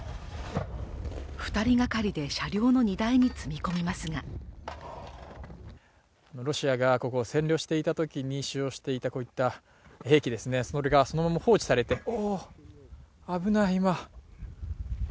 ２人がかりで車両の荷台に積み込みますがロシアがここを占領していたときに使用していた兵器がそのまま放置されて危ない。